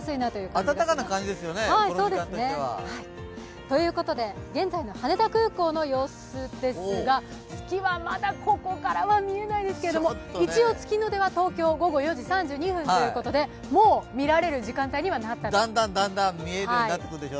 この時間としては。ということで現在の羽田空港の様子ですが月はまだ、ここからは見えないですけども、一応、月の出は東京午後４時３２分ということでもう見られる時間帯にはなったということです。